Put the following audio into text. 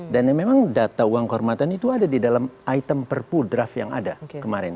dan memang data uang kehormatan itu ada di dalam item perpudraf yang ada kemarin